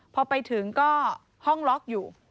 พอไปถึงก็ห้องล็อกอยู่